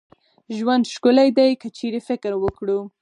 ژوند ښکلې دي که چيري فکر وکړو